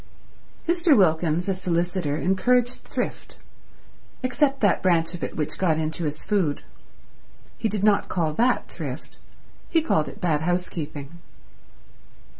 Mr. Wilkins, a solicitor, encouraged thrift, except that branch of it which got into his food. He did not call that thrift, he called it bad housekeeping.